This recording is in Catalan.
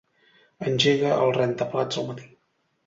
Engega el rentaplats al matí.